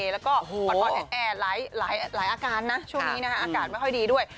แล้วก็อ่อนแอหลายอาการนะช่วงนี้อากาศไม่ค่อยดีด้วย